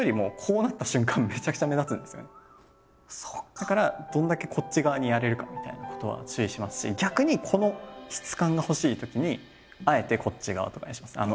だからどれだけこっち側にやれるかみたいなことは注意しますし逆にこの質感が欲しいときにあえてこっち側とかにします。